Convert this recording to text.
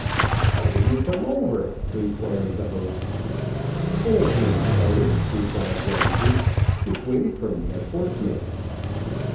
"How did you come over?" inquired the host. "In a king's cutter," replied Ramsay, "which waited for me at Portsmouth."